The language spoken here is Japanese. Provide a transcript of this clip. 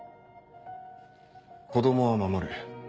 子供は守る。